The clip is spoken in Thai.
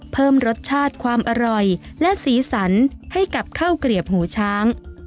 เพิ่มรสชาติความอร่อยและสีสันให้กับข้าวเกลียบหูช้าง